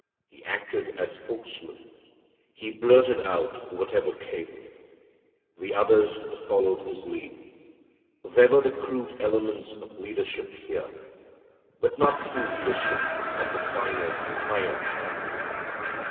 He acted as spokesman. He blurted out whatever came. The others followed his lead. There were the crude elements of leadership here. But not true leadership of the finer, higher kind.